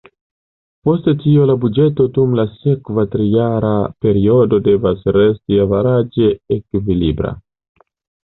Post tio la buĝeto dum la sekva trijara periodo devos resti averaĝe ekvilibra.